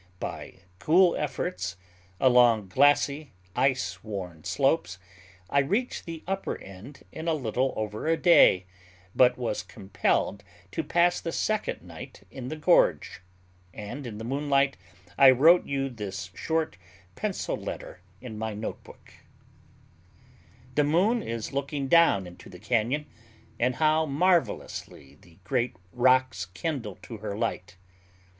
By cool efforts, along glassy, ice worn slopes, I reached the upper end in a little over a day, but was compelled to pass the second night in the gorge, and in the moonlight I wrote you this short pencil letter in my notebook:— The moon is looking down into the cañon, and how marvelously the great rocks kindle to her light!